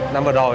năm vừa rồi